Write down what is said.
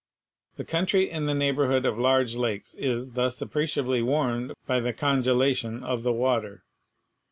The country in the neighborhood of large lakes is thus appreciably warmed by the congelation of the water.